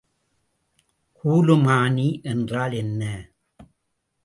கூலுமானி என்றால் என்ன?